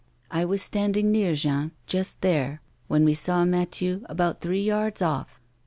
I was standing near Jean, just there, when we saw Mathieu about three yards off.